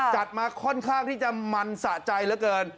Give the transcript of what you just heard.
จัดมาค่อนข้างที่จะมันสะใจเหลือเกิน